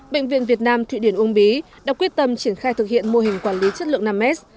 bệnh viện việt nam thụy điển uông bí đã quyết tâm triển khai thực hiện mô hình quản lý chất lượng năm s